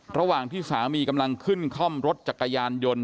ระหว่างที่สามีกำลังขึ้นคล่อมรถจักรยานยนต์